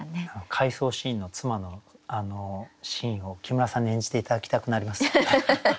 回想シーンの妻のシーンを木村さんに演じて頂きたくなりますね。